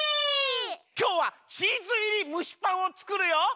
きょうはチーズいりむしパンをつくるよ。